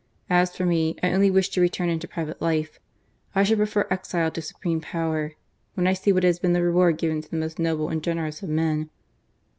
As for me, I only wish to return into private life. I should prefer exile to supreme power when I see what has been the reward given to the most noble and generous of men.